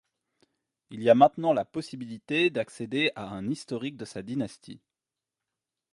Il y a maintenant la possibilité d'accéder à un historique de sa dynastie.